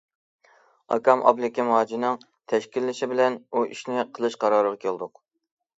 ئاكام ئابلىكىم ھاجىنىڭ تەشكىللىشى بىلەن بۇ ئىشنى قىلىش قارارىغا كەلدۇق.